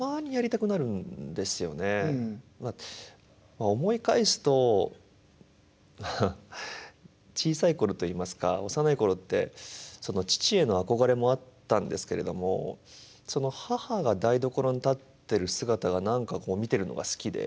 まあ思い返すとハハッ小さい頃といいますか幼い頃って父への憧れもあったんですけれども母が台所に立ってる姿が何かこう見てるのが好きで。